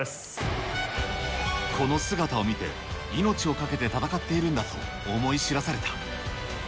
この姿を見て、命を懸けて戦っているんだと思い知らされた。